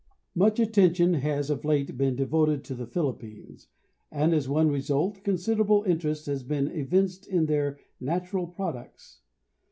Much attention has of late been devoted to the Philippines, and as one result considerable interest has been evinced in their natural products.